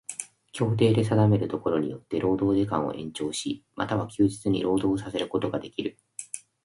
協定で定めるところによつて労働時間を延長し、又は休日に労働させることができる。